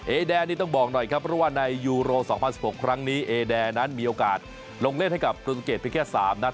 แดนนี่ต้องบอกหน่อยครับเพราะว่าในยูโร๒๐๑๖ครั้งนี้เอแดนนั้นมีโอกาสลงเล่นให้กับกรุงเกดเพียงแค่๓นัด